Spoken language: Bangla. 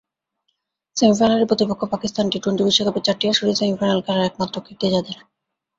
সেমিফাইনালে প্রতিপক্ষ পাকিস্তান, টি-টোয়েন্টি বিশ্বকাপের চারটি আসরেই সেমিফাইনাল খেলার একমাত্র কীর্তি যাদের।